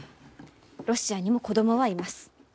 ロシアにも子供はいます。